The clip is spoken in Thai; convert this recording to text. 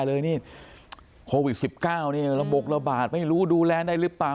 เลยนี่โควิด๑๙นี่ระบบระบาดไม่รู้ดูแลได้หรือเปล่า